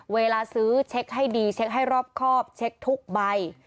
เวลาซื้อเช็คให้ดีเช็คให้รอบครอบเช็คทุกใบ